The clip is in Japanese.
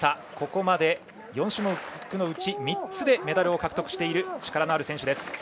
ここまで４種目のうち３つでメダルを獲得している力のある選手です。